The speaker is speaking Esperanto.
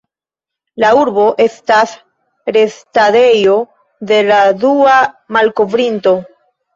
La urbo estas restadejo de la dua malkovrinto.